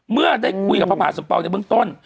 เมื่อได้คุยกับพระมหาสมปองในเบื้องต้น